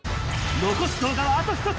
残す動画はあと１つ。